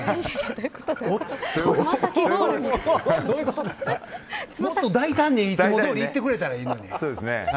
どういうことでもっと大胆にいつもどおりいってくれたらいいのに。